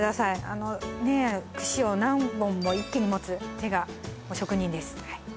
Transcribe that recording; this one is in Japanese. あのねえ串を何本も一気に持つ手がもう職人です